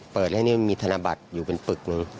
เปิดแล้วนี่มีธนบัตรอยู่เป็นปึกหนึ่ง